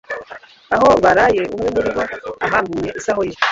Aho baraye umwe muri bo ahambuye isaho ye